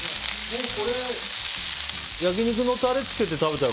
これ、焼き肉のタレつけて食べたら。